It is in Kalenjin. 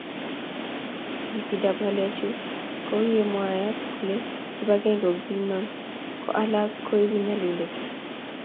Nyigisindab ngalechu kouye mwaat kole kibagenge ko kimnon ko alak koibu nyalulnatet